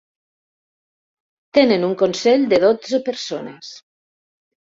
Tenen un consell de dotze persones.